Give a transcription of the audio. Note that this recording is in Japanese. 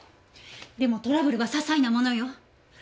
でもトラブルは些細なものよ。